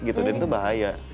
gitu dan itu bahaya